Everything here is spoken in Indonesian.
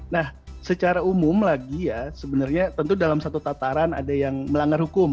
nah secara umum lagi ya sebenarnya tentu dalam satu tataran ada yang melanggar hukum